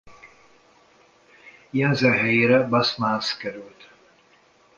Jensen helyére Bas Maas került.